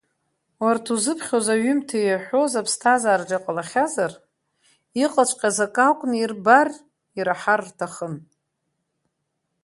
Урҭ узыԥхьоз аҩымҭа иаҳәоз аԥсҭазаараҿы иҟалахьазар, иҟаҵәҟьаз акы акәны ирбар, ираҳар рҭахын.